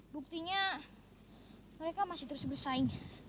buktinya mereka masih terus bersaing